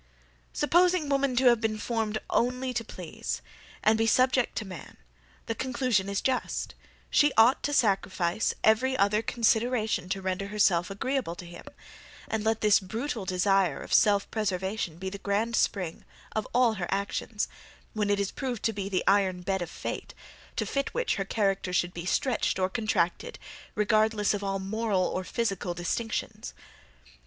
Supposing women to have been formed only to please, and be subject to man, the conclusion is just, she ought to sacrifice every other consideration to render herself agreeable to him: and let this brutal desire of self preservation be the grand spring of all her actions, when it is proved to be the iron bed of fate, to fit which, her character should be stretched or contracted, regardless of all moral or physical distinctions.